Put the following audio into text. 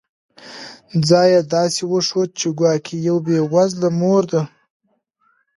ځان یې داسي وښود چي ګواکي یوه بې وزله مور ده